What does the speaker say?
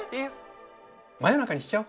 真夜中にしちゃお。